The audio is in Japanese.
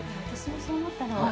私もそう思ったの。